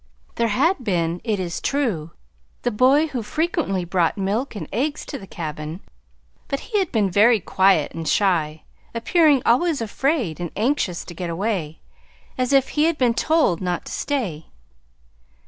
There had been, it is true, the boy who frequently brought milk and eggs to the cabin; but he had been very quiet and shy, appearing always afraid and anxious to get away, as if he had been told not to stay.